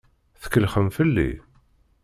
Tkellxem fell-i.